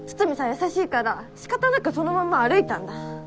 優しいから仕方なくそのまま歩いたんだ。